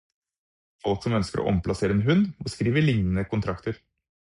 Folk som ønsker å omplassere en hund, må skrive lignende kontrakter.